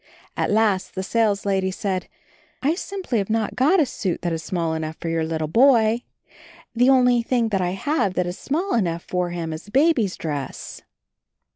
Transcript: At last the saleslady said, "I simply have not got a suit that is small enough for your little boy. The only thing that I have that is small enough for him is a baby's dress."